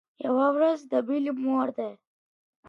¬ يوه ورځ د بلي مور ده.